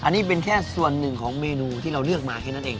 อันนี้เป็นแค่ส่วนหนึ่งของเมนูที่เราเลือกมาแค่นั้นเอง